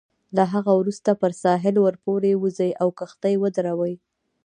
له هغه وروسته پر ساحل ورپورې وزئ او کښتۍ ودروئ.